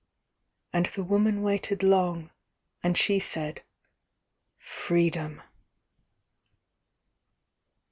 ŌĆØ And the woman waited long: and she said, ŌĆ£Freedom!